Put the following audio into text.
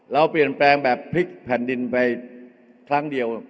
เราเปลี่ยนแปลงแบบพลิกแผ่นดินไปครั้งเดียว